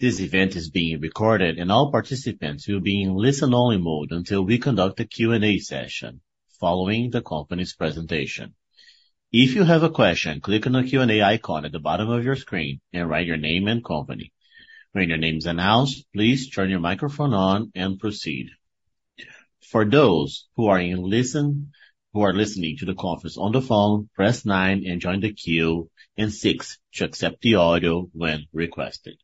This event is being recorded, and all participants will be in listen-only mode until we conduct a Q&A session following the company's presentation. If you have a question, click on the Q&A icon at the bottom of your screen and write your name and company. When your name is announced, please turn your microphone on and proceed. For those who are listening to the conference on the phone, press 9 and join the queue, and 6 to accept the audio when requested.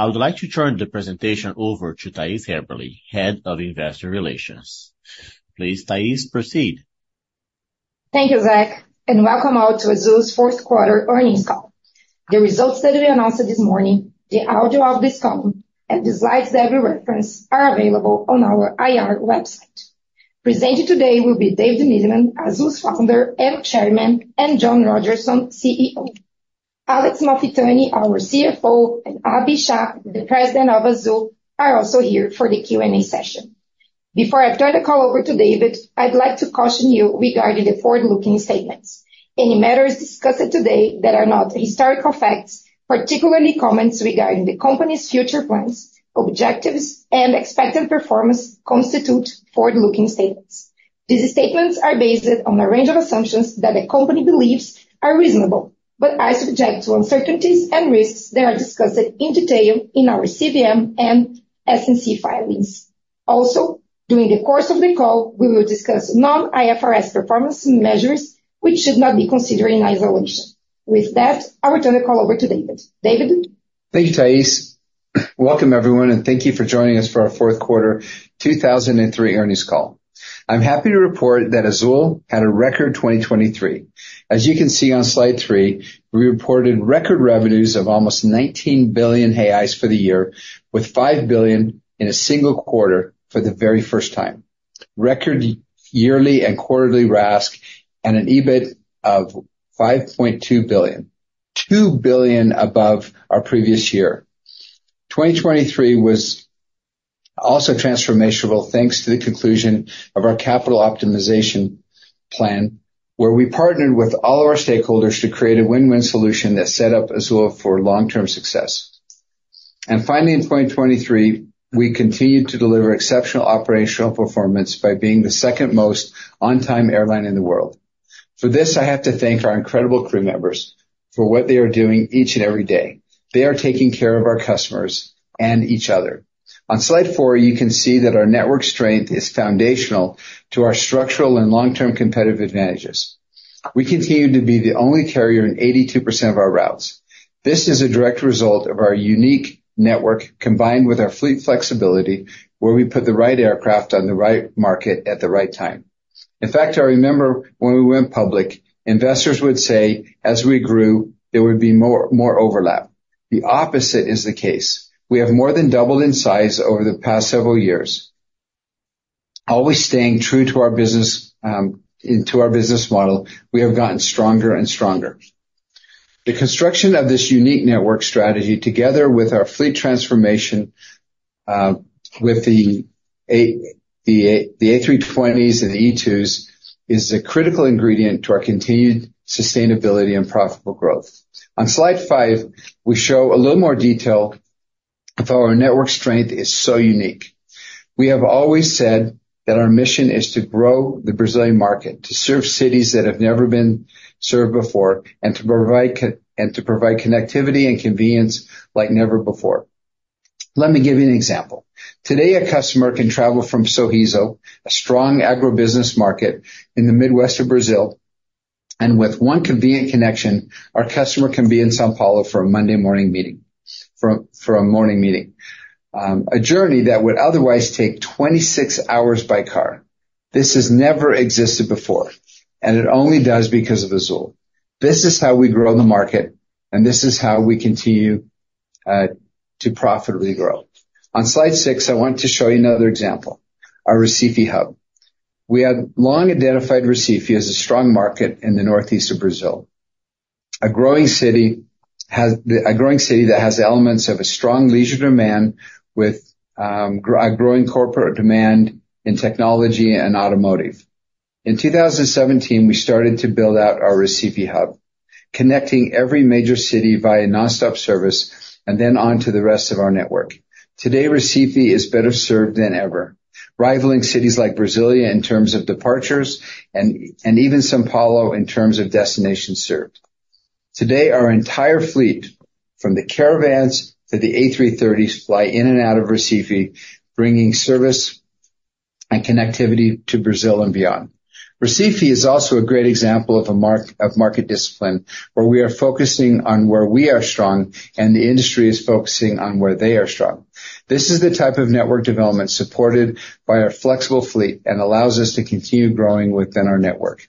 I would like to turn the presentation over to Thais Haberli, Head of Investor Relations. Please, Thais, proceed. Thank you, Zach, and welcome out to Azul's Fourth Quarter Earnings Call. The results that we announced this morning, the audio of this call, and the slides that we referenced are available on our IR website. Presenting today will be David Neeleman, Azul's founder and chairman, and John Rodgerson, CEO. Alex Malfitani, our CFO, and Abhi Shah, the president of Azul, are also here for the Q&A session. Before I turn the call over to David, I'd like to caution you regarding the forward-looking statements. Any matters discussed today that are not historical facts, particularly comments regarding the company's future plans, objectives, and expected performance, constitute forward-looking statements. These statements are based on a range of assumptions that the company believes are reasonable but are subject to uncertainties and risks that are discussed in detail in our CVM and SEC filings. Also, during the course of the call, we will discuss non-IFRS performance measures which should not be considered in isolation. With that, I will turn the call over to David. David? Thank you, Thais. Welcome, everyone, and thank you for joining us for our fourth-quarter 2023 earnings call. I'm happy to report that Azul had a record 2023. As you can see on slide 3, we reported record revenues of almost 19 billion reais for the year, with 5 billion in a single quarter for the very first time. Record yearly and quarterly RASC and an EBIT of 5.2 billion, 2 billion above our previous year. 2023 was also transformational thanks to the conclusion of our capital optimization plan, where we partnered with all of our stakeholders to create a win-win solution that set up Azul for long-term success. And finally, in 2023, we continued to deliver exceptional operational performance by being the second most on-time airline in the world. For this, I have to thank our incredible crew members for what they are doing each and every day. They are taking care of our customers and each other. On slide 4, you can see that our network strength is foundational to our structural and long-term competitive advantages. We continue to be the only carrier in 82% of our routes. This is a direct result of our unique network combined with our fleet flexibility, where we put the right aircraft on the right market at the right time. In fact, I remember when we went public, investors would say, as we grew, there would be more overlap. The opposite is the case. We have more than doubled in size over the past several years. Always staying true to our business model, we have gotten stronger and stronger. The construction of this unique network strategy, together with our fleet transformation with the A320s and the E2s, is a critical ingredient to our continued sustainability and profitable growth. On slide 5, we show a little more detail of how our network strength is so unique. We have always said that our mission is to grow the Brazilian market, to serve cities that have never been served before, and to provide connectivity and convenience like never before. Let me give you an example. Today, a customer can travel from Sorriso, a strong agribusiness market in the Midwest of Brazil, and with one convenient connection, our customer can be in São Paulo for a Monday morning meeting. A journey that would otherwise take 26 hours by car. This has never existed before, and it only does because of Azul. This is how we grow the market, and this is how we continue to profitably grow. On slide 6, I want to show you another example, our Recife hub. We have long identified Recife as a strong market in the northeast of Brazil. A growing city that has elements of a strong leisure demand with a growing corporate demand in technology and automotive. In 2017, we started to build out our Recife hub, connecting every major city via nonstop service and then onto the rest of our network. Today, Recife is better served than ever, rivaling cities like Brasília in terms of departures and even São Paulo in terms of destination served. Today, our entire fleet, from the Caravans to the A330s, fly in and out of Recife, bringing service and connectivity to Brazil and beyond. Recife is also a great example of market discipline, where we are focusing on where we are strong and the industry is focusing on where they are strong. This is the type of network development supported by our flexible fleet and allows us to continue growing within our network.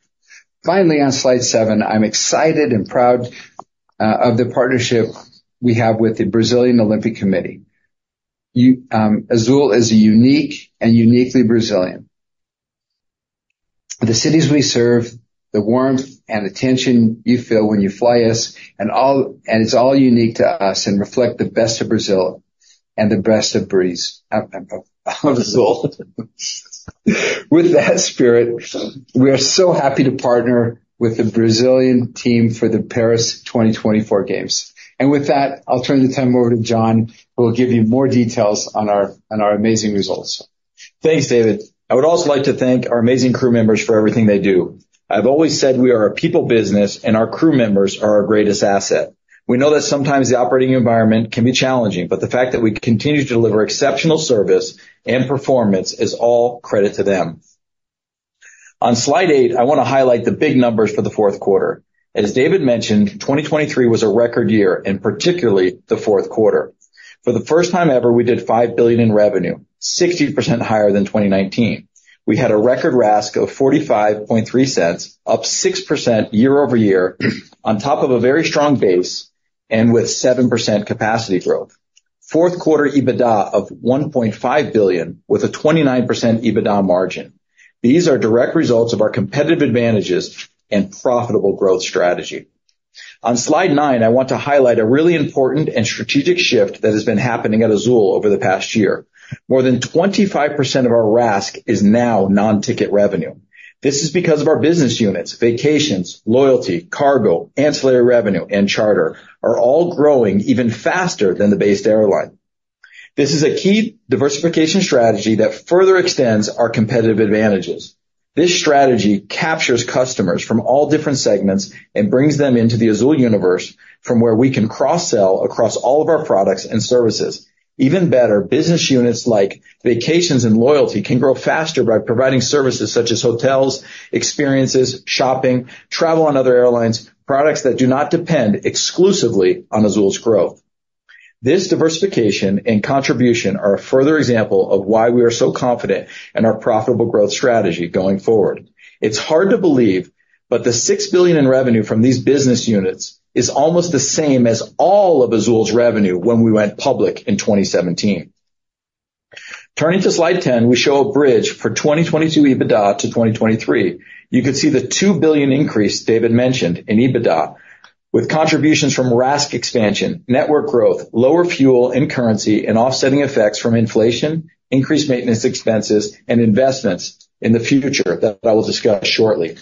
Finally, on slide 7, I'm excited and proud of the partnership we have with the Brazilian Olympic Committee. Azul is unique and uniquely Brazilian. The cities we serve, the warmth and attention you feel when you fly us, and it's all unique to us and reflect the best of Brazil and the best of breeze of Azul. With that spirit, we are so happy to partner with the Brazilian team for the Paris 2024 Games. With that, I'll turn the time over to John, who will give you more details on our amazing results. Thanks, David. I would also like to thank our amazing crew members for everything they do. I've always said we are a people business, and our crew members are our greatest asset. We know that sometimes the operating environment can be challenging, but the fact that we continue to deliver exceptional service and performance is all credit to them. On slide 8, I want to highlight the big numbers for the fourth quarter. As David mentioned, 2023 was a record year, and particularly the fourth quarter. For the first time ever, we did 5 billion in revenue, 60% higher than 2019. We had a record RASC of $0.453, up 6% year-over-year, on top of a very strong base and with 7% capacity growth. Fourth quarter EBITDA of 1.5 billion, with a 29% EBITDA margin. These are direct results of our competitive advantages and profitable growth strategy. On slide 9, I want to highlight a really important and strategic shift that has been happening at Azul over the past year. More than 25% of our RASC is now non-ticket revenue. This is because of our business units, vacations, loyalty, cargo, ancillary revenue, and charter are all growing even faster than the base airline. This is a key diversification strategy that further extends our competitive advantages. This strategy captures customers from all different segments and brings them into the Azul universe, from where we can cross-sell across all of our products and services. Even better, business units like vacations and loyalty can grow faster by providing services such as hotels, experiences, shopping, travel on other airlines, products that do not depend exclusively on Azul's growth. This diversification and contribution are a further example of why we are so confident in our profitable growth strategy going forward. It's hard to believe, but the 6 billion in revenue from these business units is almost the same as all of Azul's revenue when we went public in 2017. Turning to slide 10, we show a bridge for 2022 EBITDA to 2023. You could see the 2 billion increase David mentioned in EBITDA, with contributions from RASC expansion, network growth, lower fuel and currency, and offsetting effects from inflation, increased maintenance expenses, and investments in the future that I will discuss shortly.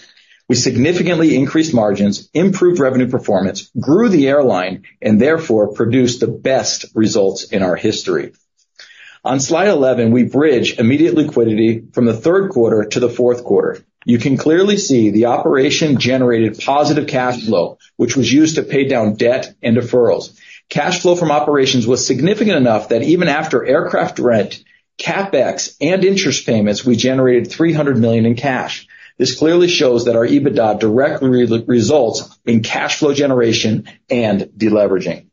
We significantly increased margins, improved revenue performance, grew the airline, and therefore produced the best results in our history. On slide 11, we bridge immediate liquidity from the third quarter to the fourth quarter. You can clearly see the operation generated positive cash flow, which was used to pay down debt and deferrals. Cash flow from operations was significant enough that even after aircraft rent, CapEx, and interest payments, we generated 300 million in cash. This clearly shows that our EBITDA directly results in cash flow generation and deleveraging.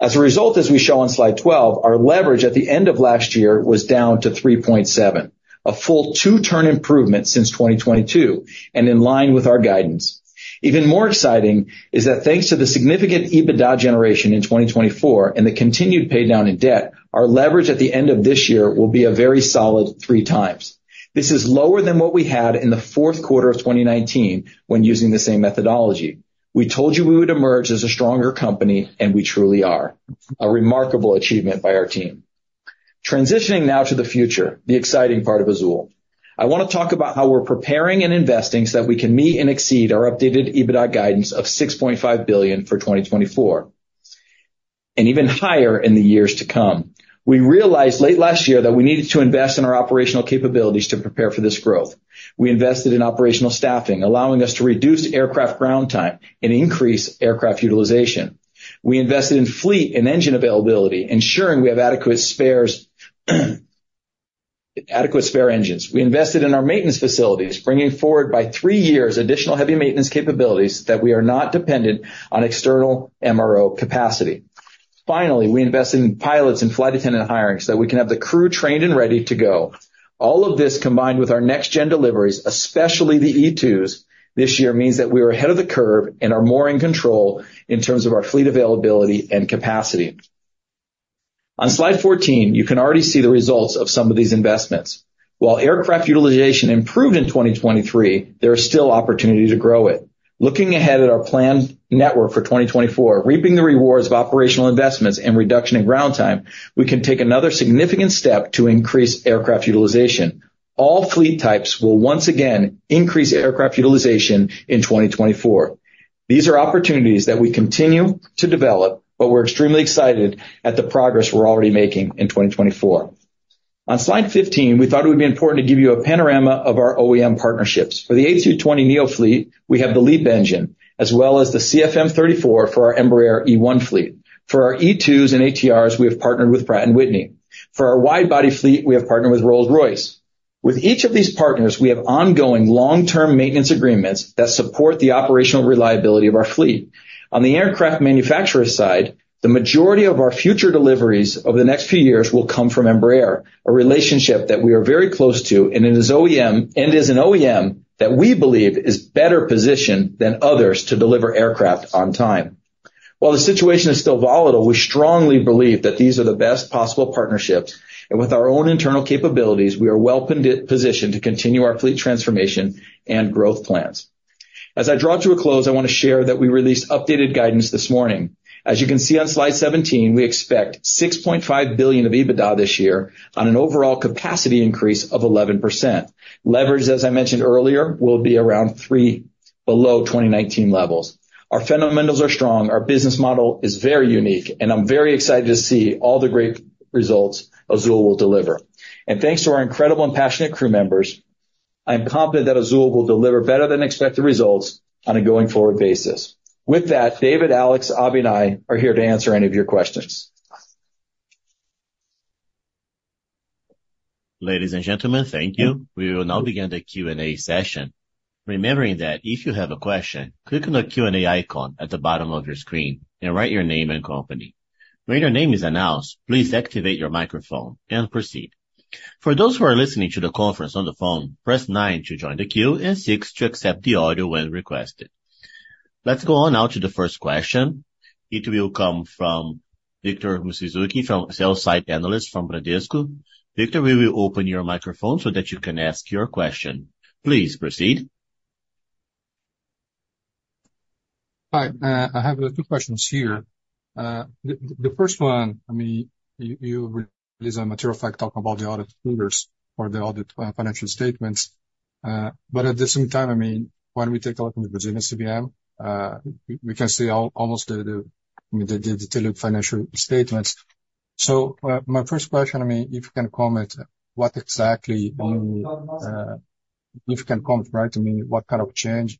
As a result, as we show on slide 12, our leverage at the end of last year was down to 3.7, a full two-turn improvement since 2022 and in line with our guidance. Even more exciting is that thanks to the significant EBITDA generation in 2024 and the continued paydown in debt, our leverage at the end of this year will be a very solid 3x. This is lower than what we had in the fourth quarter of 2019 when using the same methodology. We told you we would emerge as a stronger company, and we truly are. A remarkable achievement by our team. Transitioning now to the future, the exciting part of Azul. I want to talk about how we're preparing and investing so that we can meet and exceed our updated EBITDA guidance of 6.5 billion for 2024 and even higher in the years to come. We realized late last year that we needed to invest in our operational capabilities to prepare for this growth. We invested in operational staffing, allowing us to reduce aircraft ground time and increase aircraft utilization. We invested in fleet and engine availability, ensuring we have adequate spare engines. We invested in our maintenance facilities, bringing forward by three years additional heavy maintenance capabilities that we are not dependent on external MRO capacity. Finally, we invested in pilots and flight attendant hiring so that we can have the crew trained and ready to go. All of this combined with our next-gen deliveries, especially the E2s, this year means that we are ahead of the curve and are more in control in terms of our fleet availability and capacity. On slide 14, you can already see the results of some of these investments. While aircraft utilization improved in 2023, there are still opportunities to grow it. Looking ahead at our planned network for 2024, reaping the rewards of operational investments and reduction in ground time, we can take another significant step to increase aircraft utilization. All fleet types will once again increase aircraft utilization in 2024. These are opportunities that we continue to develop, but we're extremely excited at the progress we're already making in 2024. On slide 15, we thought it would be important to give you a panorama of our OEM partnerships. For the A320neo fleet, we have the LEAP engine, as well as the CF34 for our Embraer E1 fleet. For our E2s and ATRs, we have partnered with Pratt & Whitney. For our wide-body fleet, we have partnered with Rolls-Royce. With each of these partners, we have ongoing long-term maintenance agreements that support the operational reliability of our fleet. On the aircraft manufacturer side, the majority of our future deliveries over the next few years will come from Embraer, a relationship that we are very close to and is an OEM that we believe is better positioned than others to deliver aircraft on time. While the situation is still volatile, we strongly believe that these are the best possible partnerships, and with our own internal capabilities, we are well positioned to continue our fleet transformation and growth plans. As I draw to a close, I want to share that we released updated guidance this morning. As you can see on slide 17, we expect 6.5 billion of EBITDA this year on an overall capacity increase of 11%. Leverage, as I mentioned earlier, will be around below 2019 levels. Our fundamentals are strong. Our business model is very unique, and I'm very excited to see all the great results Azul will deliver. Thanks to our incredible and passionate crew members, I'm confident that Azul will deliver better than expected results on a going forward basis. With that, David, Alex, Abhi, and I are here to answer any of your questions. Ladies and gentlemen, thank you. We will now begin the Q&A session. Remembering that if you have a question, click on the Q&A icon at the bottom of your screen and write your name and company. When your name is announced, please activate your microphone and proceed. For those who are listening to the conference on the phone, press 9 to join the queue and 6 to accept the audio when requested. Let's go on now to the first question. It will come from Victor Mizusaki, sell-side analyst from Bradesco. Victor, we will open your microphone so that you can ask your question. Please proceed. Hi. I have two questions here. The first one, I mean, you released a material fact talking about the audited financial statements. But at the same time, I mean, when we take a look in the Brazilian CVM, we can see almost the full financial statements. So my first question, I mean, if you can comment what exactly, right, to me what kind of change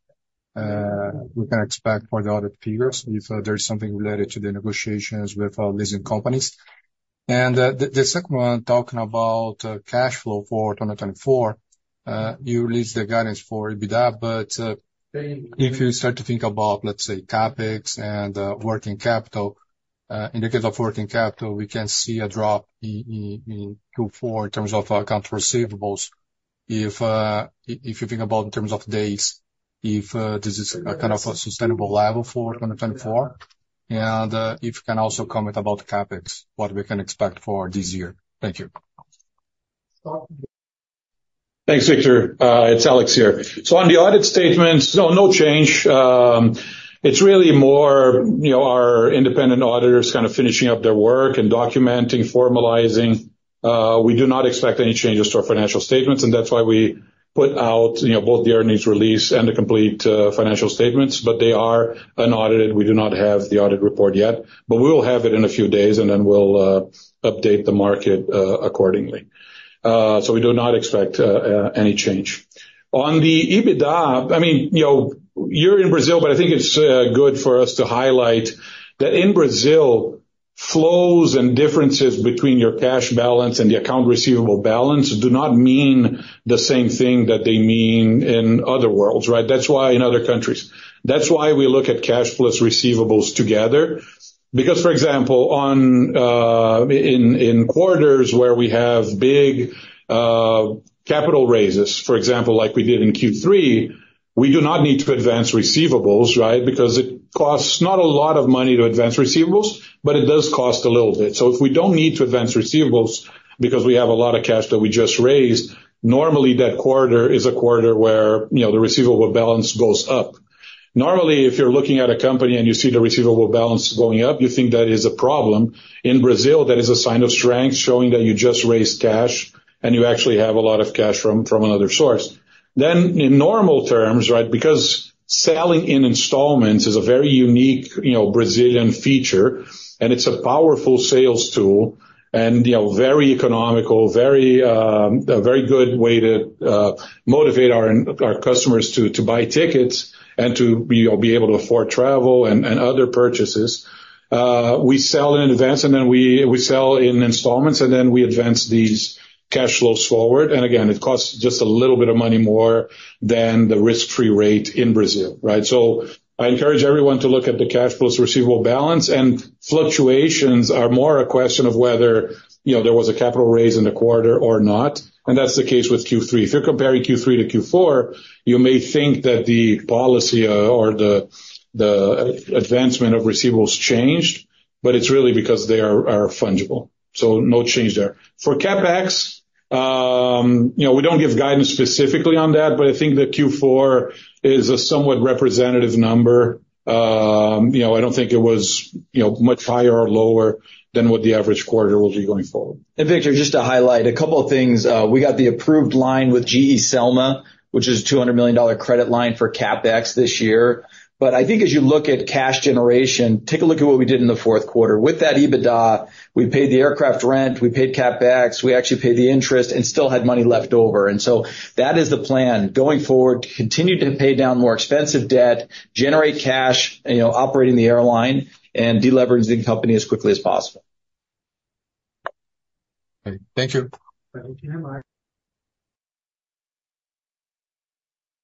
we can expect for the audited figures if there's something related to the negotiations with leasing companies. And the second one, talking about cash flow for 2024, you released the guidance for EBITDA, but if you start to think about, let's say, CapEx and working capital, in the case of working capital, we can see a drop in Q4 in terms of accounts receivable if you think about in terms of days, if this is a kind of sustainable level for 2024. And if you can also comment about CapEx, what we can expect for this year. Thank you. Thanks, Victor. It's Alex here. So on the audit statements, no, no change. It's really more our independent auditors kind of finishing up their work and documenting, formalizing. We do not expect any changes to our financial statements, and that's why we put out both the earnings release and the complete financial statements. But they are unaudited. We do not have the audit report yet, but we will have it in a few days, and then we'll update the market accordingly. So we do not expect any change. On the EBITDA, I mean, you're in Brazil, but I think it's good for us to highlight that in Brazil, flows and differences between your cash balance and the account receivable balance do not mean the same thing that they mean in other worlds, right? That's why in other countries. That's why we look at cash plus receivables together. Because, for example, in quarters where we have big capital raises, for example, like we did in Q3, we do not need to advance receivables, right? Because it costs not a lot of money to advance receivables, but it does cost a little bit. So if we don't need to advance receivables because we have a lot of cash that we just raised, normally that quarter is a quarter where the receivable balance goes up. Normally, if you're looking at a company and you see the receivable balance going up, you think that is a problem. In Brazil, that is a sign of strength showing that you just raised cash and you actually have a lot of cash from another source. Then in normal terms, right, because selling in installments is a very unique Brazilian feature, and it's a powerful sales tool and very economical, very good way to motivate our customers to buy tickets and to be able to afford travel and other purchases, we sell in advance, and then we sell in installments, and then we advance these cash flows forward. And again, it costs just a little bit of money more than the risk-free rate in Brazil, right? So I encourage everyone to look at the cash plus receivable balance, and fluctuations are more a question of whether there was a capital raise in the quarter or not. And that's the case with Q3. If you're comparing Q3 to Q4, you may think that the policy or the advancement of receivables changed, but it's really because they are fungible. So no change there. For CapEx, we don't give guidance specifically on that, but I think that Q4 is a somewhat representative number. I don't think it was much higher or lower than what the average quarter will be going forward. Victor, just to highlight a couple of things. We got the approved line with GE Celma, which is a $200 million credit line for CapEx this year. But I think as you look at cash generation, take a look at what we did in the fourth quarter. With that EBITDA, we paid the aircraft rent, we paid CapEx, we actually paid the interest, and still had money left over. And so that is the plan going forward: continue to pay down more expensive debt, generate cash operating the airline, and deleveraging the company as quickly as possible. Thank you.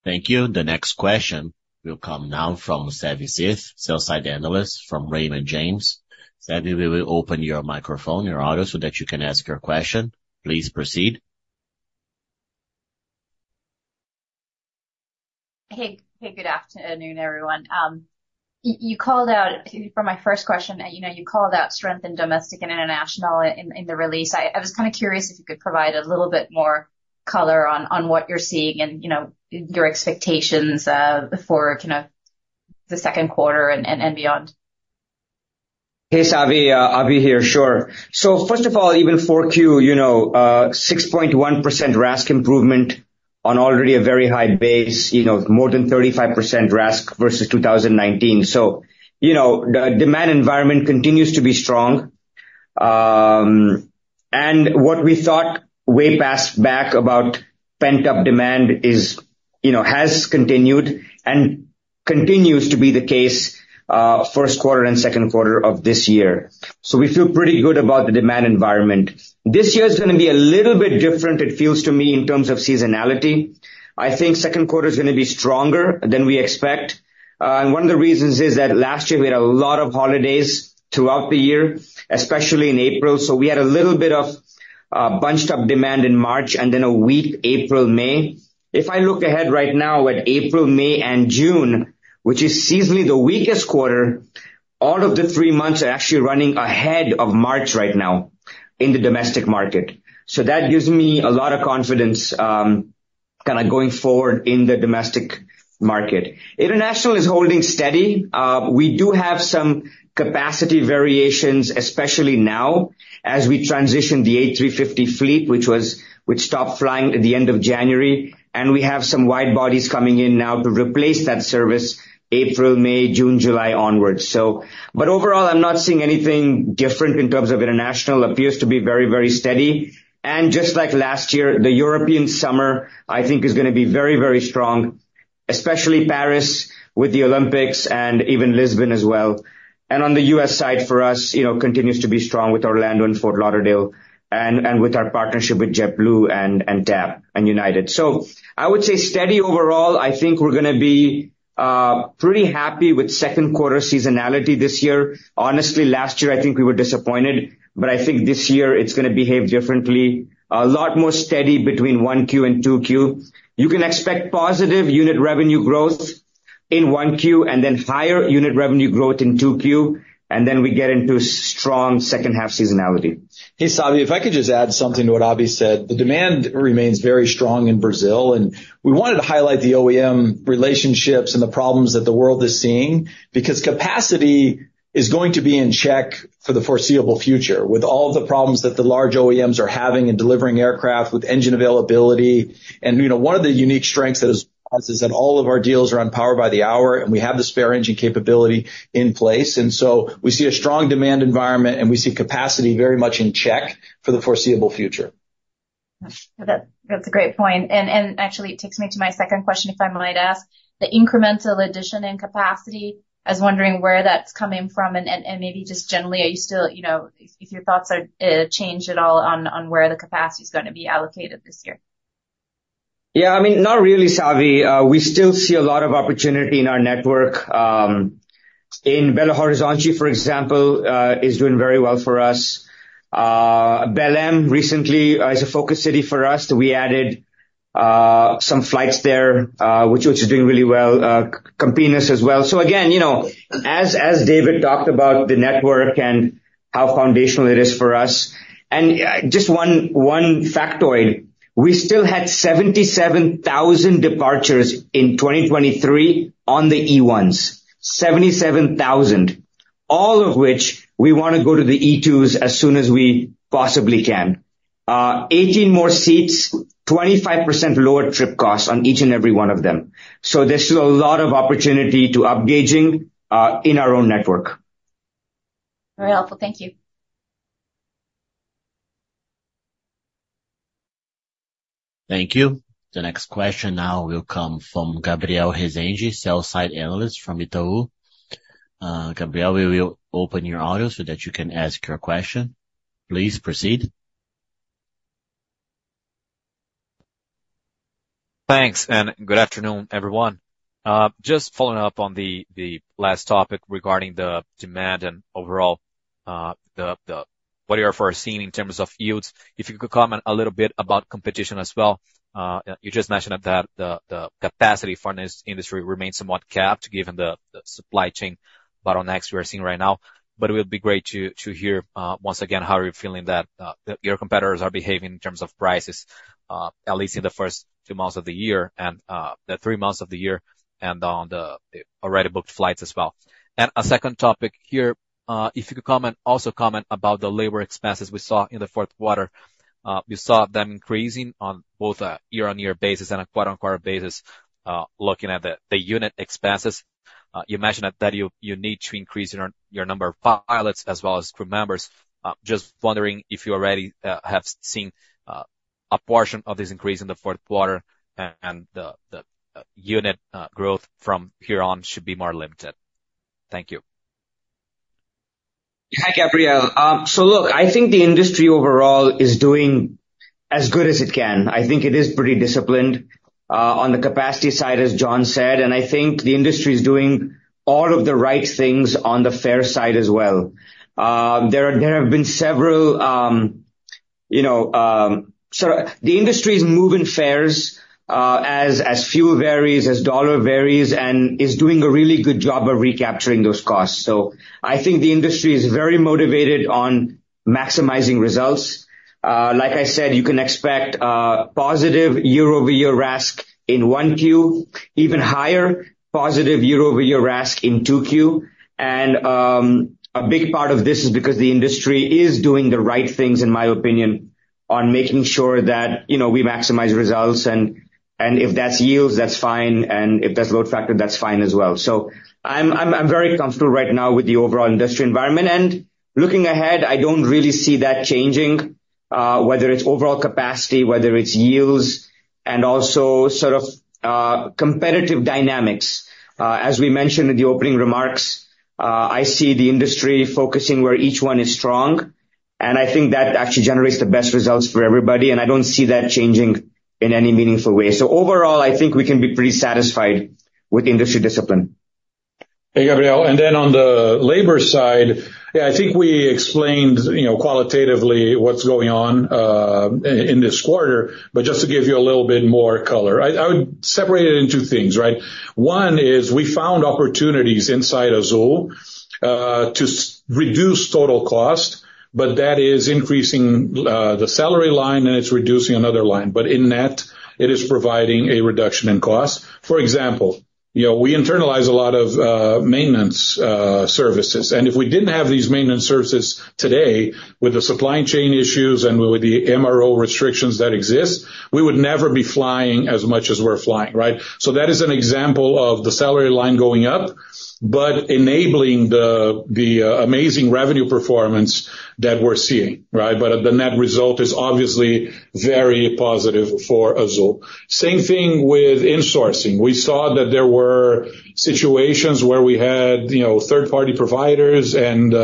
Thank you. The next question will come now from Savanthi Syth, sell-side analyst from Raymond James. Savanthi, we will open your microphone, your audio, so that you can ask your question. Please proceed. Hey, good afternoon, everyone. You called out for my first question. You called out strength in domestic and international in the release. I was kind of curious if you could provide a little bit more color on what you're seeing and your expectations for the second quarter and beyond? Hey, Savi. Abhi here. Sure. So first of all, even for Q1, 6.1% RASC improvement on already a very high base, more than 35% RASC versus 2019. So the demand environment continues to be strong. And what we thought way back about pent-up demand has continued and continues to be the case first quarter and second quarter of this year. So we feel pretty good about the demand environment. This year is going to be a little bit different, it feels to me, in terms of seasonality. I think second quarter is going to be stronger than we expect. And one of the reasons is that last year, we had a lot of holidays throughout the year, especially in April. So we had a little bit of bunched-up demand in March and then a weak April, May. If I look ahead right now at April, May, and June, which is seasonally the weakest quarter, all of the three months are actually running ahead of March right now in the domestic market. So that gives me a lot of confidence kind of going forward in the domestic market. International is holding steady. We do have some capacity variations, especially now as we transition the A350 fleet, which stopped flying at the end of January. And we have some wide bodies coming in now to replace that service April, May, June, July onwards. But overall, I'm not seeing anything different in terms of international. It appears to be very, very steady. And just like last year, the European summer, I think, is going to be very, very strong, especially Paris with the Olympics and even Lisbon as well. On the U.S. side for us, it continues to be strong with Orlando and Fort Lauderdale and with our partnership with JetBlue and TAP and United. So I would say steady overall. I think we're going to be pretty happy with second quarter seasonality this year. Honestly, last year, I think we were disappointed, but I think this year it's going to behave differently, a lot more steady between Q1 and Q2. You can expect positive unit revenue growth in Q1 and then higher unit revenue growth in Q2, and then we get into strong second-half seasonality. Hey, Savi, if I could just add something to what Abhi said. The demand remains very strong in Brazil, and we wanted to highlight the OEM relationships and the problems that the world is seeing because capacity is going to be in check for the foreseeable future with all of the problems that the large OEMs are having in delivering aircraft with engine availability. One of the unique strengths is that all of our deals are on Power by the Hour, and we have the spare engine capability in place. So we see a strong demand environment, and we see capacity very much in check for the foreseeable future. That's a great point. And actually, it takes me to my second question, if I might ask. The incremental addition in capacity, I was wondering where that's coming from. And maybe just generally, are you still? If your thoughts change at all on where the capacity is going to be allocated this year. Yeah. I mean, not really, Savi. We still see a lot of opportunity in our network. In Belo Horizonte, for example, is doing very well for us. Belém recently is a focus city for us. We added some flights there, which is doing really well. Campinas as well. So again, as David talked about the network and how foundational it is for us. And just one factoid, we still had 77,000 departures in 2023 on the E1s, 77,000, all of which we want to go to the E2s as soon as we possibly can. 18 more seats, 25% lower trip costs on each and every one of them. So there's still a lot of opportunity to upgauging in our own network. Very helpful. Thank you. Thank you. The next question now will come from Gabriel Rezende, sell-side analyst from Itaú. Gabriel, we will open your audio so that you can ask your question. Please proceed. Thanks, and good afternoon, everyone. Just following up on the last topic regarding the demand and overall what you are first seeing in terms of yields. If you could comment a little bit about competition as well. You just mentioned that the capacity for this industry remains somewhat capped given the supply chain bottlenecks we are seeing right now. But it will be great to hear once again how you're feeling that your competitors are behaving in terms of prices, at least in the first two months of the year and the three months of the year and on the already booked flights as well. And a second topic here, if you could also comment about the labor expenses we saw in the fourth quarter. You saw them increasing on both a year-on-year basis and a quarter-on-quarter basis looking at the unit expenses. You mentioned that you need to increase your number of pilots as well as crew members. Just wondering if you already have seen a portion of this increase in the fourth quarter and the unit growth from here on should be more limited? Thank you. Hi, Gabriel. So look, I think the industry overall is doing as good as it can. I think it is pretty disciplined on the capacity side, as John said. And I think the industry is doing all of the right things on the fare side as well. There have been several, so the industry is moving fares as fuel varies, as dollar varies, and is doing a really good job of recapturing those costs. So I think the industry is very motivated on maximizing results. Like I said, you can expect positive year-over-year RASC in Q1, even higher positive year-over-year RASC in Q2. And a big part of this is because the industry is doing the right things, in my opinion, on making sure that we maximize results. And if that's yields, that's fine. And if that's load factor, that's fine as well. I'm very comfortable right now with the overall industry environment. Looking ahead, I don't really see that changing, whether it's overall capacity, whether it's yields, and also sort of competitive dynamics. As we mentioned in the opening remarks, I see the industry focusing where each one is strong. I think that actually generates the best results for everybody. I don't see that changing in any meaningful way. Overall, I think we can be pretty satisfied with industry discipline. Hey, Gabriel. Then on the labor side, yeah, I think we explained qualitatively what's going on in this quarter. But just to give you a little bit more color, I would separate it into two things, right? One is we found opportunities inside Azul to reduce total cost, but that is increasing the salary line and it's reducing another line. But in net, it is providing a reduction in cost. For example, we internalize a lot of maintenance services. And if we didn't have these maintenance services today with the supply chain issues and with the MRO restrictions that exist, we would never be flying as much as we're flying, right? So that is an example of the salary line going up but enabling the amazing revenue performance that we're seeing, right? But the net result is obviously very positive for Azul. Same thing with insourcing. We saw that there were situations where we had third-party providers and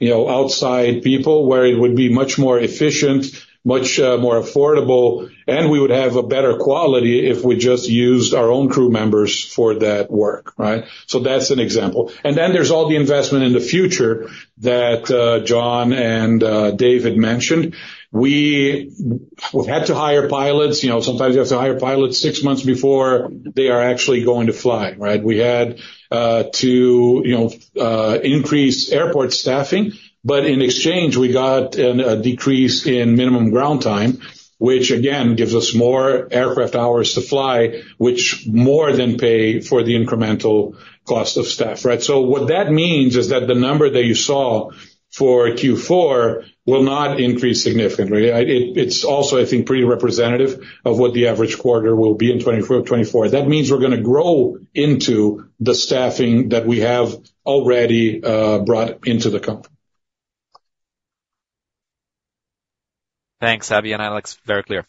outside people where it would be much more efficient, much more affordable, and we would have a better quality if we just used our own crew members for that work, right? So that's an example. And then there's all the investment in the future that John and David mentioned. We've had to hire pilots. Sometimes you have to hire pilots six months before they are actually going to fly, right? We had to increase airport staffing, but in exchange, we got a decrease in minimum ground time, which again gives us more aircraft hours to fly, which more than pay for the incremental cost of staff, right? So what that means is that the number that you saw for Q4 will not increase significantly. It's also, I think, pretty representative of what the average quarter will be in 2024. That means we're going to grow into the staffing that we have already brought into the company. Thanks, Savi. And that looks very clear.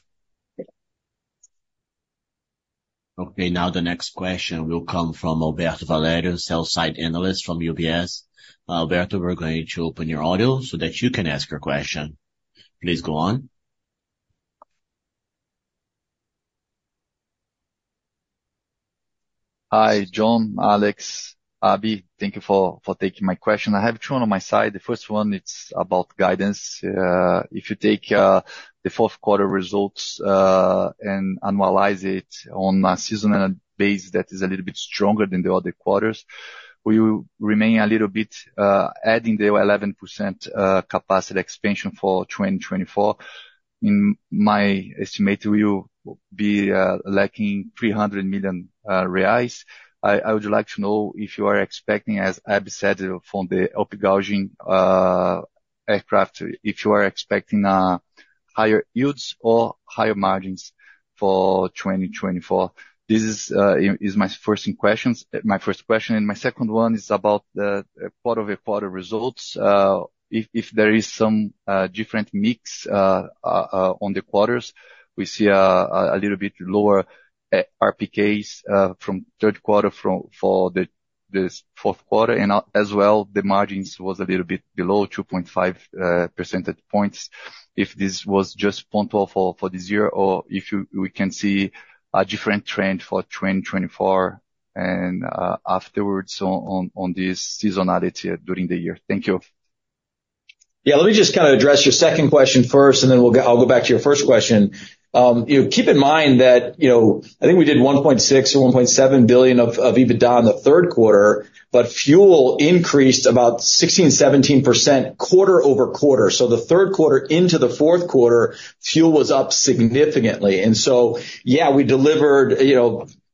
Okay. Now the next question will come from Alberto Valerio, sell-side analyst from UBS. Alberto, we're going to open your audio so that you can ask your question. Please go on. Hi, John, Alex, Abhi. Thank you for taking my question. I have two on my side. The first one, it's about guidance. If you take the fourth quarter results and analyze it on a seasonal base that is a little bit stronger than the other quarters, we remain a little bit adding the 11% capacity expansion for 2024. In my estimate, we will be lacking 300 million reais. I would like to know if you are expecting, as Abhi said from the upgauging aircraft, if you are expecting higher yields or higher margins for 2024. This is my first question. And my second one is about quarter-over-quarter results. If there is some different mix on the quarters, we see a little bit lower RPKs from third quarter for the fourth quarter, and as well, the margins were a little bit below, 2.5 percentage points. If this was just 12% for this year or if we can see a different trend for 2024 and afterwards on this seasonality during the year? Thank you. Yeah. Let me just kind of address your second question first, and then I'll go back to your first question. Keep in mind that I think we did 1.6 billion or 1.7 billion of EBITDA in the third quarter, but fuel increased about 16%-17% quarter-over-quarter. So the third quarter into the fourth quarter, fuel was up significantly. And so, yeah, we delivered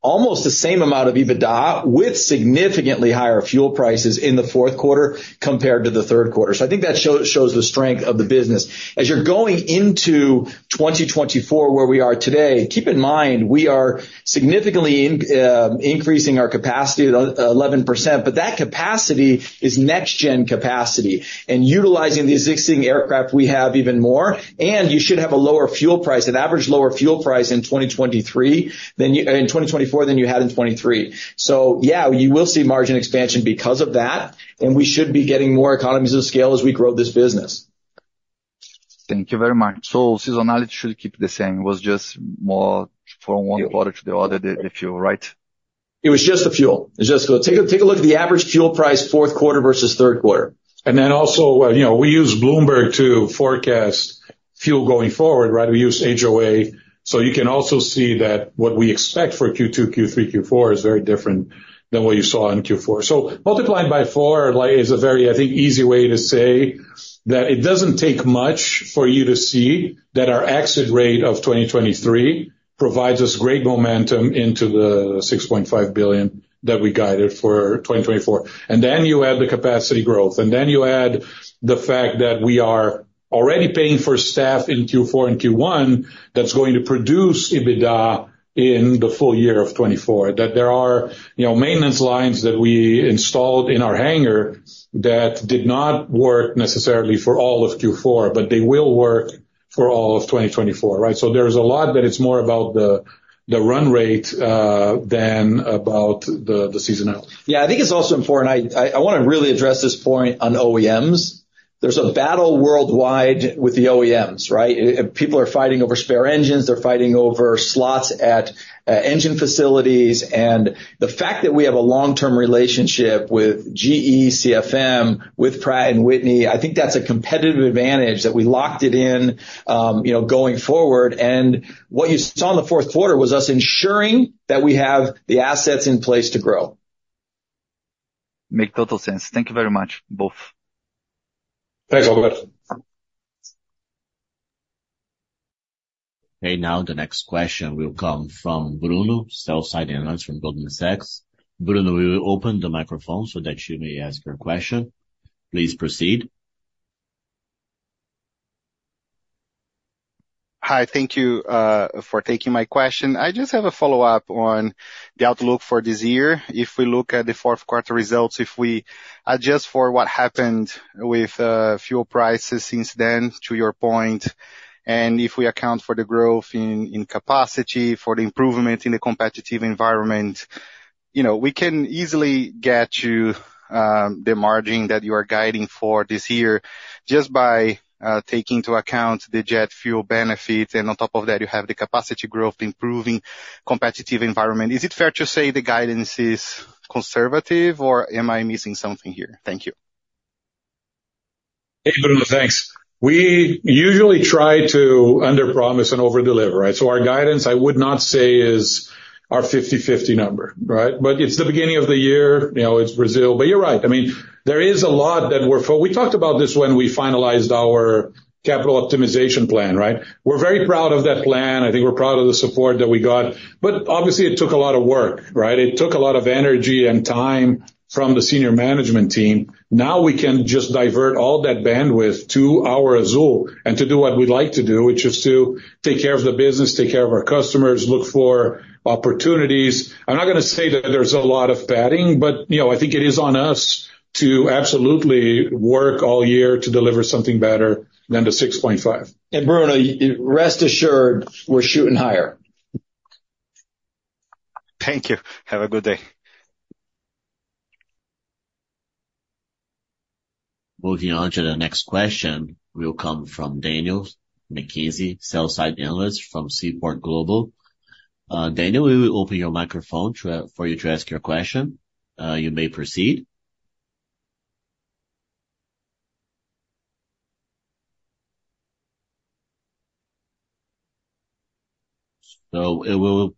almost the same amount of EBITDA with significantly higher fuel prices in the fourth quarter compared to the third quarter. So I think that shows the strength of the business. As you're going into 2024 where we are today, keep in mind we are significantly increasing our capacity 11%, but that capacity is next-gen capacity and utilizing the existing aircraft we have even more. And you should have a lower fuel price, an average lower fuel price in 2024 than you had in 2023. So yeah, you will see margin expansion because of that, and we should be getting more economies of scale as we grow this business. Thank you very much. So seasonality should keep the same. It was just more from one quarter to the other, the fuel, right? It was just the fuel. It was just the fuel. Take a look at the average fuel price, fourth quarter versus third quarter. And then also, we use Bloomberg to forecast fuel going forward, right? We use HO. So you can also see that what we expect for Q2, Q3, Q4 is very different than what you saw in Q4. So multiplying by four is a very, I think, easy way to say that it doesn't take much for you to see that our exit rate of 2023 provides us great momentum into the 6.5 billion that we guided for 2024. And then you add the capacity growth. And then you add the fact that we are already paying for staff in Q4 and Q1 that's going to produce EBITDA in the full year of 2024, that there are maintenance lines that we installed in our hangar that did not work necessarily for all of Q4, but they will work for all of 2024, right? There's a lot that it's more about the run rate than about the seasonality. Yeah. I think it's also important. I want to really address this point on OEMs. There's a battle worldwide with the OEMs, right? People are fighting over spare engines. They're fighting over slots at engine facilities. And the fact that we have a long-term relationship with GE, CFM, with Pratt & Whitney, I think that's a competitive advantage that we locked it in going forward. And what you saw in the fourth quarter was us ensuring that we have the assets in place to grow. Makes total sense. Thank you very much, both. Thanks, Albert. Okay. Now the next question will come from Bruno, sell-side analyst from Goldman Sachs. Bruno, we will open the microphone so that you may ask your question. Please proceed. Hi. Thank you for taking my question. I just have a follow-up on the outlook for this year. If we look at the fourth quarter results, if we adjust for what happened with fuel prices since then, to your point, and if we account for the growth in capacity, for the improvement in the competitive environment, we can easily get to the margin that you are guiding for this year just by taking into account the jet fuel benefit. And on top of that, you have the capacity growth improving competitive environment. Is it fair to say the guidance is conservative, or am I missing something here? Thank you. Hey, Bruno. Thanks. We usually try to underpromise and overdeliver, right? So our guidance, I would not say, is our 50/50 number, right? But it's the beginning of the year. It's Brazil. But you're right. I mean, there is a lot that we talked about this when we finalized our capital optimization plan, right? We're very proud of that plan. I think we're proud of the support that we got. But obviously, it took a lot of work, right? It took a lot of energy and time from the senior management team. Now we can just divert all that bandwidth to our Azul and to do what we'd like to do, which is to take care of the business, take care of our customers, look for opportunities. I'm not going to say that there's a lot of padding, but I think it is on us to absolutely work all year to deliver something better than the 6.5. Bruno, rest assured, we're shooting higher. Thank you. Have a good day. Moving on to the next question, will come from Daniel McKenzie, sell-side analyst from Seaport Global. Daniel, we will open your microphone for you to ask your question. You may proceed. So we will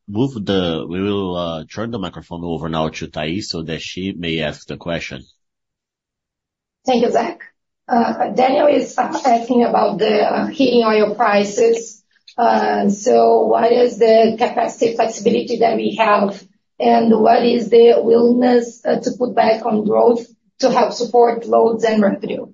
turn the microphone over now to Thais so that she may ask the question. Thank you, Zach. Daniel is asking about the hedging oil prices. So what is the capacity flexibility that we have, and what is the willingness to put back on growth to help support loads and revenue?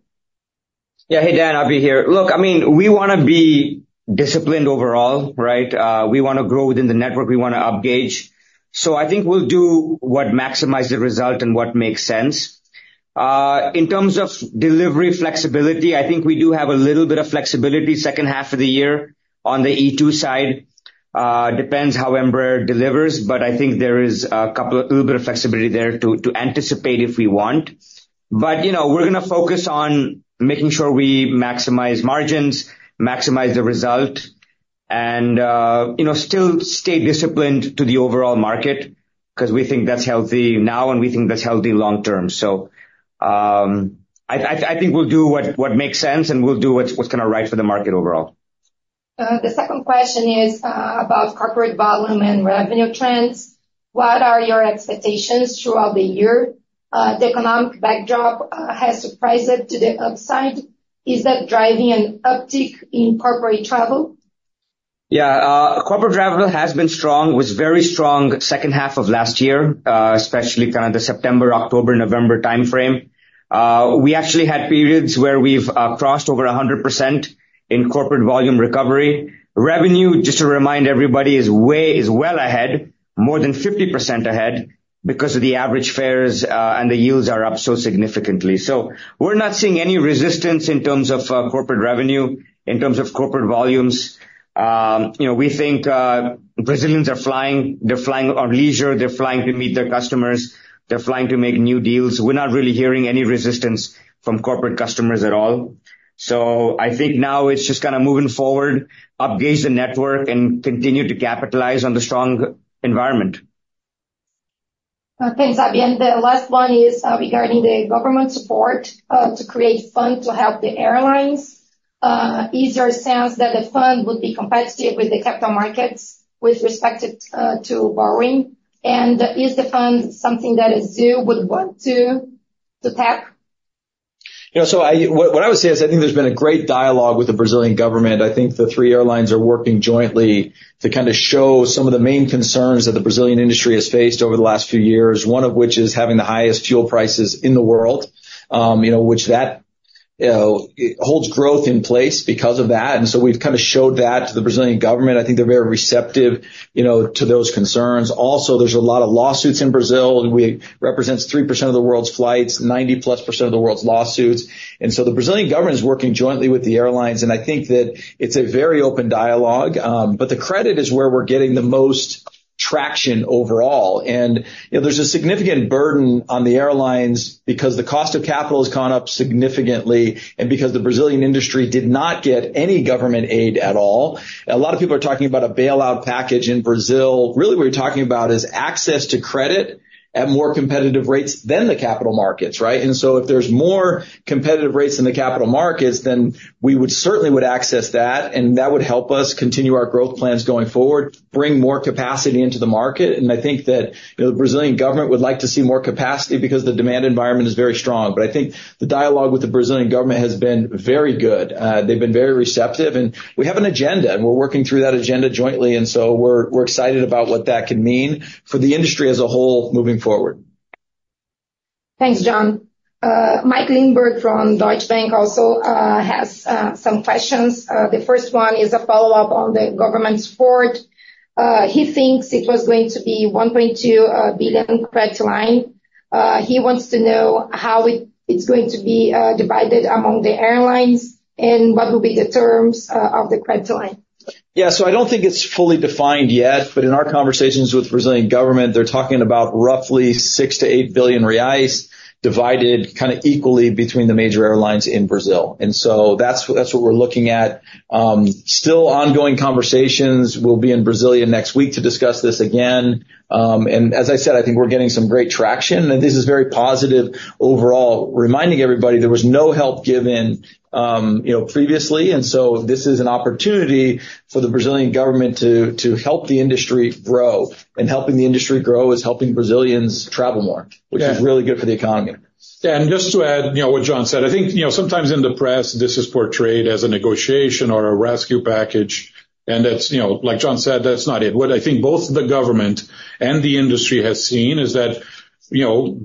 Yeah. Hey, Dan. I'll be here. Look, I mean, we want to be disciplined overall, right? We want to grow within the network. We want to upgauge. So I think we'll do what maximizes the result and what makes sense. In terms of delivery flexibility, I think we do have a little bit of flexibility second half of the year on the E2 side. Depends how Embraer delivers, but I think there is a little bit of flexibility there to anticipate if we want. But we're going to focus on making sure we maximize margins, maximize the result, and still stay disciplined to the overall market because we think that's healthy now, and we think that's healthy long term. So I think we'll do what makes sense, and we'll do what's going to right for the market overall. The second question is about corporate volume and revenue trends. What are your expectations throughout the year? The economic backdrop has surprised it to the upside. Is that driving an uptick in corporate travel? Yeah. Corporate travel has been strong. It was very strong second half of last year, especially kind of the September, October, November timeframe. We actually had periods where we've crossed over 100% in corporate volume recovery. Revenue, just to remind everybody, is well ahead, more than 50% ahead because of the average fares and the yields are up so significantly. So we're not seeing any resistance in terms of corporate revenue, in terms of corporate volumes. We think Brazilians are flying. They're flying on leisure. They're flying to meet their customers. They're flying to make new deals. We're not really hearing any resistance from corporate customers at all. So I think now it's just kind of moving forward, upgauge the network, and continue to capitalize on the strong environment. Thanks, Abhi. And the last one is regarding the government support to create funds to help the airlines. Is your sense that the fund would be competitive with the capital markets with respect to borrowing? And is the fund something that Azul would want to tap? So what I would say is I think there's been a great dialogue with the Brazilian government. I think the three airlines are working jointly to kind of show some of the main concerns that the Brazilian industry has faced over the last few years, one of which is having the highest fuel prices in the world, which holds growth in place because of that. And so we've kind of showed that to the Brazilian government. I think they're very receptive to those concerns. Also, there's a lot of lawsuits in Brazil. It represents 3% of the world's flights, 90%+ of the world's lawsuits. And so the Brazilian government is working jointly with the airlines. And I think that it's a very open dialogue. But the credit is where we're getting the most traction overall. There's a significant burden on the airlines because the cost of capital has gone up significantly and because the Brazilian industry did not get any government aid at all. A lot of people are talking about a bailout package in Brazil. Really, what you're talking about is access to credit at more competitive rates than the capital markets, right? So if there's more competitive rates in the capital markets, then we certainly would access that, and that would help us continue our growth plans going forward, bring more capacity into the market. I think that the Brazilian government would like to see more capacity because the demand environment is very strong. But I think the dialogue with the Brazilian government has been very good. They've been very receptive. We have an agenda, and we're working through that agenda jointly. And so we're excited about what that can mean for the industry as a whole moving forward. Thanks, John. Michael Linenberg from Deutsche Bank also has some questions. The first one is a follow-up on the government support. He thinks it was going to be 1.2 billion credit line. He wants to know how it's going to be divided among the airlines and what will be the terms of the credit line. Yeah. So I don't think it's fully defined yet. But in our conversations with the Brazilian government, they're talking about roughly 6 billion-8 billion reais divided kind of equally between the major airlines in Brazil. And so that's what we're looking at. Still ongoing conversations. We'll be in Brazil next week to discuss this again. And as I said, I think we're getting some great traction. And this is very positive overall, reminding everybody there was no help given previously. And so this is an opportunity for the Brazilian government to help the industry grow. And helping the industry grow is helping Brazilians travel more, which is really good for the economy. Yeah. And just to add what John said, I think sometimes in the press, this is portrayed as a negotiation or a rescue package. And like John said, that's not it. What I think both the government and the industry has seen is that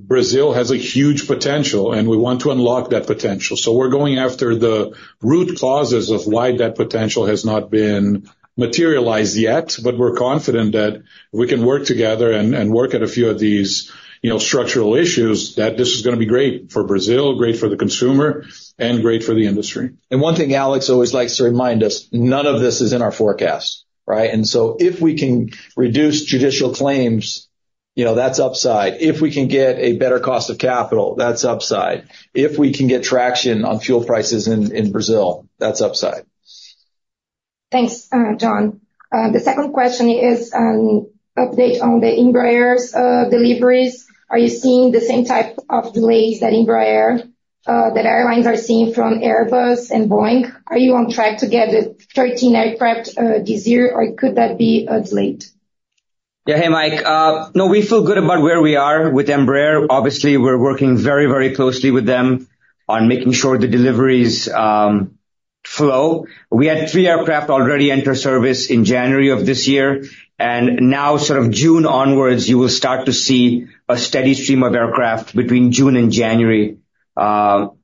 Brazil has a huge potential, and we want to unlock that potential. So we're going after the root causes of why that potential has not been materialized yet. But we're confident that if we can work together and work at a few of these structural issues, that this is going to be great for Brazil, great for the consumer, and great for the industry. One thing Alex always likes to remind us, none of this is in our forecast, right? And so if we can reduce judicial claims, that's upside. If we can get a better cost of capital, that's upside. If we can get traction on fuel prices in Brazil, that's upside. Thanks, John. The second question is an update on the Embraer's deliveries. Are you seeing the same type of delays that airlines are seeing from Airbus and Boeing? Are you on track to get 13 aircraft this year, or could that be a delay? Yeah. Hey, Mike. No, we feel good about where we are with Embraer. Obviously, we're working very, very closely with them on making sure the deliveries flow. We had 3 aircraft already enter service in January of this year. And now, sort of June onwards, you will start to see a steady stream of aircraft between June and January of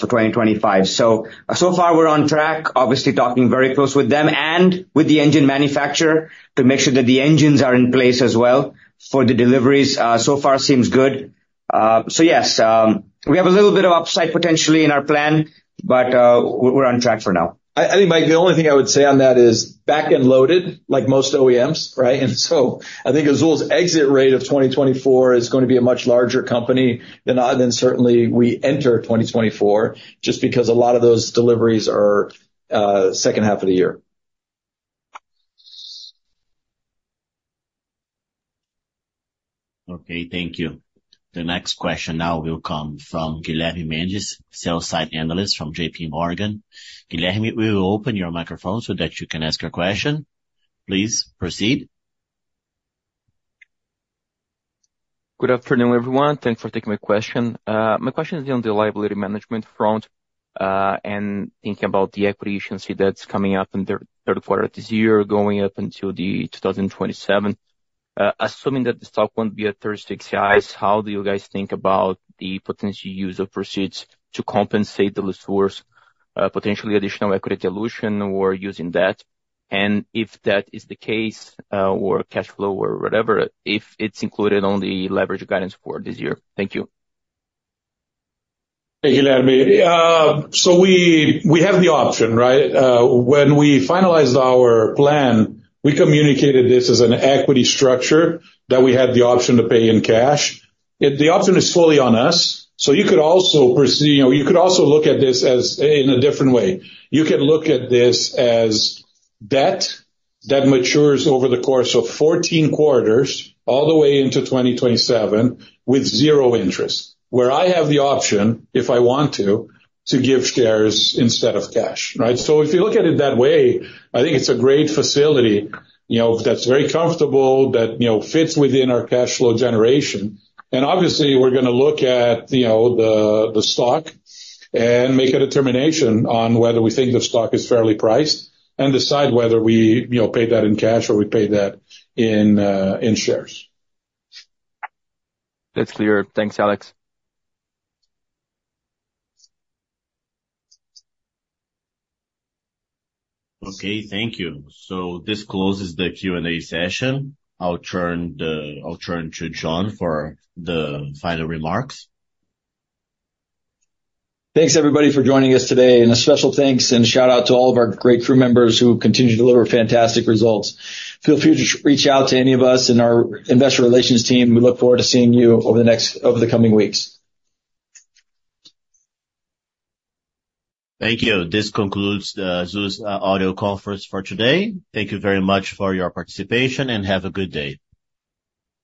2025. So far, we're on track, obviously talking very close with them and with the engine manufacturer to make sure that the engines are in place as well for the deliveries. So far, seems good. So yes, we have a little bit of upside potentially in our plan, but we're on track for now. I think, Mike, the only thing I would say on that is back-end loaded like most OEMs, right? And so I think Azul's exit rate of 2024 is going to be a much larger company than certainly we enter 2024 just because a lot of those deliveries are second half of the year. Okay. Thank you. The next question now will come from Guilherme Mendes, sell-side analyst from J.P. Morgan. Guilherme, we will open your microphone so that you can ask your question. Please proceed. Good afternoon, everyone. Thanks for taking my question. My question is on the liability management front and thinking about the equity instrument that's coming up in the third quarter of this year, going up until 2027. Assuming that the stock won't be at 36, how do you guys think about the potential use of proceeds to compensate the losses, potentially additional equity dilution, or using that? And if that is the case, or cash flow, or whatever, if it's included on the leverage guidance for this year. Thank you. Hey, Guilherme. So we have the option, right? When we finalized our plan, we communicated this as an equity structure that we had the option to pay in cash. The option is fully on us. So you could also proceed. You could also look at this in a different way. You could look at this as debt that matures over the course of 14 quarters all the way into 2027 with zero interest, where I have the option, if I want to, to give shares instead of cash, right? So if you look at it that way, I think it's a great facility that's very comfortable, that fits within our cash flow generation. And obviously, we're going to look at the stock and make a determination on whether we think the stock is fairly priced and decide whether we pay that in cash or we pay that in shares. That's clear. Thanks, Alex. Okay. Thank you. This closes the Q&A session. I'll turn to John for the final remarks. Thanks, everybody, for joining us today. A special thanks and shout-out to all of our great crew members who continue to deliver fantastic results. Feel free to reach out to any of us in our investor relations team. We look forward to seeing you over the coming weeks. Thank you. This concludes the Azul's audio conference for today. Thank you very much for your participation, and have a good day.